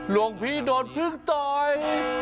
ลงพี่โดดภึ่งตอย